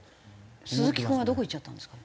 スズキ君はどこ行っちゃったんですか？